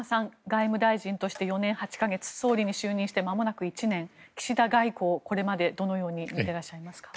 外務大臣として４年８か月総理に就任して、まもなく１年岸田外交、これまでどのように見てらっしゃいますか？